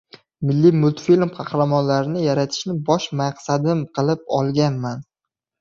milliy multfilm qahramonlarini yaratishni bosh maqsadim qilib olganman.